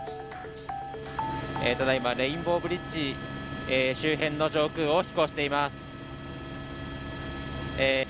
ただいま、レインボーブリッジ周辺の上空を飛行しています。